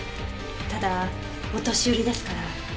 ただお年寄りですから。